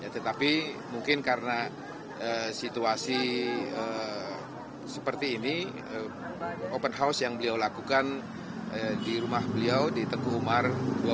tetapi mungkin karena situasi seperti ini open house yang beliau lakukan di rumah beliau di teguh umar dua